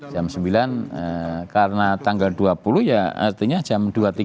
jam sembilan karena tanggal dua puluh ya artinya jam dua puluh tiga lima puluh sembilan harus selesai